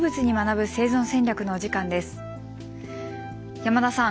山田さん。